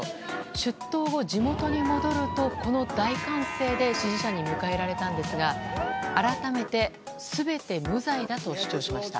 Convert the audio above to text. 出頭後、地元に戻るとこの大歓声で支持者に迎えられたんですが改めて全て無罪だと主張しました。